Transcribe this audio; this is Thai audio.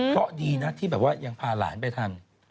เพราะดีนะที่ยังพาหลานไปทั้ง